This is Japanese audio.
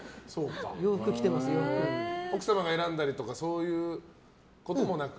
奥様が選んだりとかそういうこともなく？